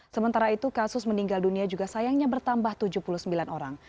sementara itu kasus meninggal dunia juga sayangnya bertambah tujuh puluh sembilan orang